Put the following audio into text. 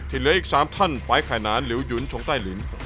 ทีเหลืออีกสามท่านไปข่ายนานลิวหยุนชงใต้ลิน